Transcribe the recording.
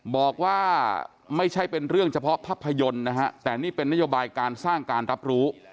บอกว่าไม่ใช่เป็นเรื่องเฉพาะภาพยนตร์นะฮะแต่นี่เป็นนโยบายการสร้างการรับรู้